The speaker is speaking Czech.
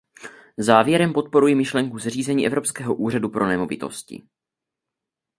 Závěrem podporuji myšlenku zřízení evropského úřadu pro nemovitosti.